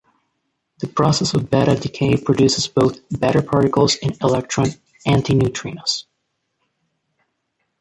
The process of beta decay produces both beta particles and electron antineutrinos.